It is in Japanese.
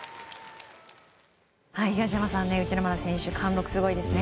東山さん、内村選手貫禄すごいですね。